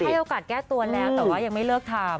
ให้โอกาสแก้ตัวแล้วแต่ว่ายังไม่เลิกทำ